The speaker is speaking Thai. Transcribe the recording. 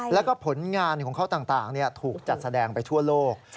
แล้วก็ผลงานของเขาต่างถูกจัดแสดงไปทั่วโลก